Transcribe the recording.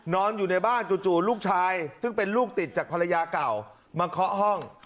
นอนอยู่ในบ้านจู่ลูกชายซึ่งเป็นลูกติดจากภรรยาเก่ามาเคาะห้อง